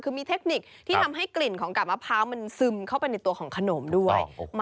คือมีเทคนิคที่ทำให้กลิ่นของกาบมะพร้าวมันซึมเข้าไปในตัวของขนมด้วย